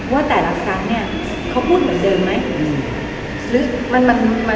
ว่าแต่ละครั้งเนี่ยเขาพูดเหมือนเดิมไหม